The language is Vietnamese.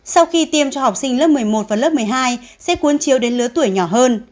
sau khi tiêm cho học sinh lớp một mươi một và lớp một mươi hai sẽ cuốn chiếu đến lứa tuổi nhỏ hơn